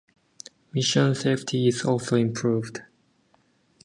Mission safety is also improved.